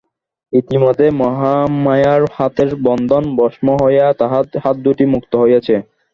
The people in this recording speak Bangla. ইতিমধ্যে মহামায়ার হাতের বন্ধন ভস্ম হইয়া তাহার হাতদুটি মুক্ত হইয়াছে।